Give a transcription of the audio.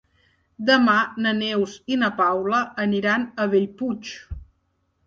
Demà na Neus i na Paula aniran a Bellpuig.